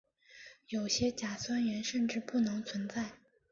有些甲酸盐甚至不能存在。